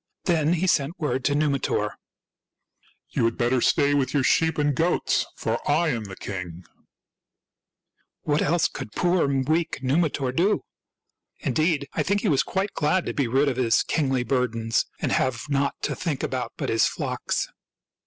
Then he sent word to Numitor: —" You had better stay with your sheep and goats, for I am the king !" What else could poor, weak Numitor do ? In deed, I think he was quite glad to be rid of his kingly burdens and have nought to think about but his flocks.